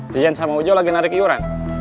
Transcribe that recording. dijan sama ujo lagi narik yuran